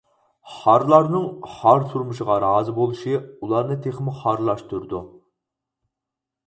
خارلارنىڭ خار تۇرمۇشىغا رازى بولۇشى ئۇلارنى تېخىمۇ خارلاشتۇرىدۇ.